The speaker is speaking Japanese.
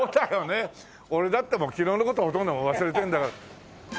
俺だってもう昨日の事もほとんど忘れてるんだから。